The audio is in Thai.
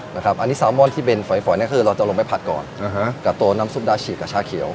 นะครับอันนี้ซาวมอนด์ที่เบนฝอยฝอยนี่คือเราจะลงไปผัดก่อนอ่าฮะกับตัวน้ำซุปดาชิกกับชาเขียว